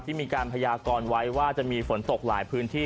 ที่มีการพยากรไว้ว่าจะมีฝนตกหลายพื้นที่